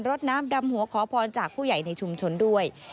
ดน้ำดำหัวขอพรจากผู้ใหญ่ในชุมชนด้วย